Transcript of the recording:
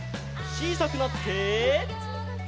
ちいさくなって。